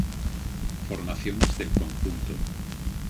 Formaciones del conjunto